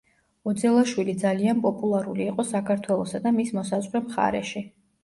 ოძელაშვილი ძალიან პოპულარული იყო საქართველოსა და მის მოსაზღვრე მხარეში.